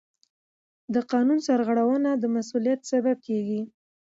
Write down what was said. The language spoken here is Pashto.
د قانون سرغړونه د مسؤلیت سبب کېږي.